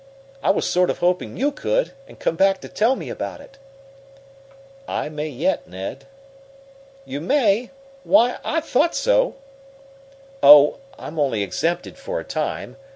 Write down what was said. I was sort of hoping you could, and come back to tell me about it." "I may yet, Ned." "You may? Why, I thought " "Oh, I'm only exempted for a time.